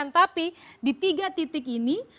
tapi di tiga titik ini